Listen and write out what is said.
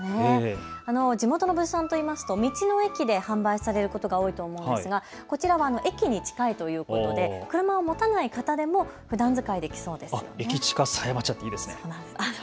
地元の物産といいますと道の駅で販売されることが多いと思うんですが、こちらは駅に近いということで車を持たない方たちもふだん使いできそうですよね。